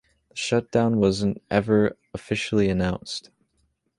The shutdown wasn't ever officially announced.